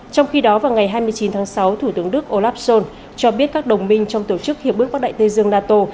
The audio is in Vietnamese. trong khi đó vào ngày hai mươi chín tháng sáu thủ tướng đức olaf schol cho biết các đồng minh trong tổ chức hiệp ước bắc đại tây dương nato